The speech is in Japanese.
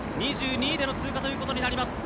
２２位での通過となります。